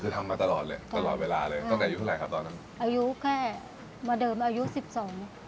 คือทำมาตลอดเลยตลอดเวลาเลยตั้งแต่อายุเท่าไหร่ครับตอนนั้นอายุแค่มาเดิมอายุสิบสอง